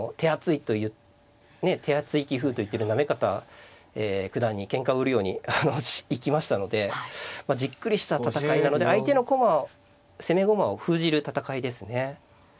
あの手厚い棋風と言ってる行方九段にけんか売るように行きましたのでじっくりした戦いなので相手の攻め駒を封じる戦いですね。